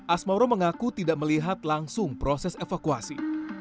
asmoro mengaku tidak melihat langsung proses evakuasi